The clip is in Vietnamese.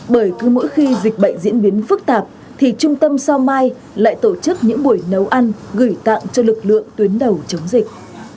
bởi cứ mỗi khi dịch bệnh diễn biến phức tạp thì trung tâm sao mai lại tổ chức những buổi nấu ăn gửi tặng cho lực lượng tuyến đầu chống dịch